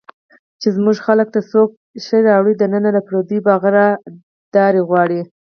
چې زموږ ملک ته څوک شی راوړي دننه، له پردیو به هغه راهداري غواړي